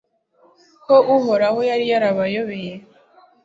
ko Uhoraho yari yarabayoboye